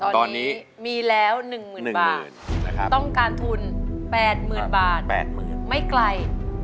ตอนนี้มีแล้ว๑หมื่นบาทต้นการทุน๘หมื่นบาทไม่ไกล